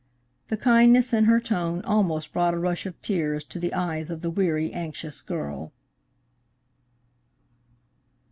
The kindness in her tone almost brought a rush of tears to the eyes of the weary, anxious girl.